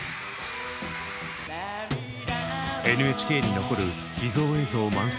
ＮＨＫに残る秘蔵映像満載。